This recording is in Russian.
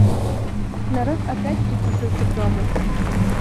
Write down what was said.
Народ опять приблизился к дому.